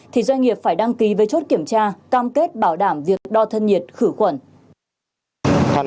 thì doanh nghiệp phải đăng ký với chốt kiểm tra cam kết bảo đảm việc đo thân nhiệt khử khuẩn